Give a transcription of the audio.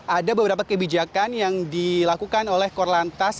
ada beberapa kebijakan yang dilakukan oleh korlantas